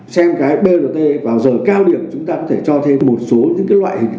xem cái brt vào giờ cao điểm chúng ta có thể cho thêm một số những loại hình